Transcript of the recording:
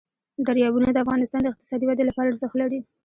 دریابونه د افغانستان د اقتصادي ودې لپاره ارزښت لري.